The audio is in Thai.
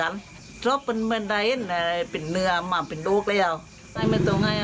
มันเช่ามาเรื่อยซะ